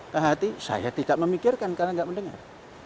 kehati saya tidak memikirkan karena tidak mendengar